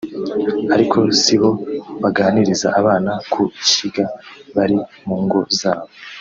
ariko sibo baganiriza abana ku ishyiga bari mu ngo zabo